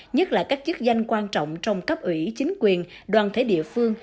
nhất là các chức danh quan trọng trong cấp ủy chính quyền đoàn thể địa phương